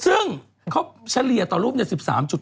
ซึ่งเขาเฉลี่ยต่อรูปใน๑๓๖ล้านบาท